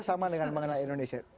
sama dengan mengenal indonesia